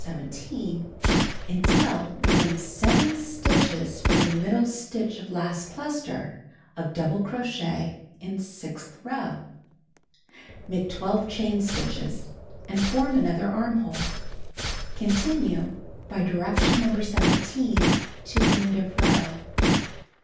17, until within 7 stitches from middle stitch of last cluster of double crochet in sixth row. Make 12 chain stitches and form other armhole. Continue by direction No. 17 to end of row. 21.